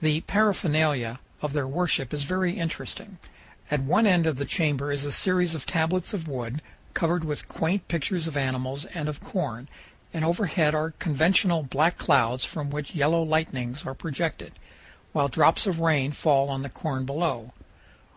The paraphernalia of their worship is very interesting. At one end of the chamber is a series of tablets of wood covered with quaint pictures of animals and of corn, and overhead are conventional black clouds from which yellow lightnings are projected, while drops of rain fall on the corn below.